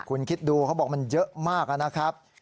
คุณคิดดูเขาบอกมันเยอะมากนะครับ